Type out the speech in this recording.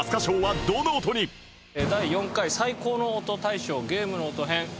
第４回最高の音大賞「ゲームの音」編。